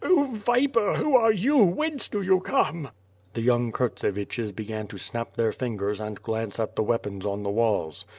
0 viper, who are you, whence do you come?" The young Kurtseviches began to snap their fingers and glance at the weapons on the walls.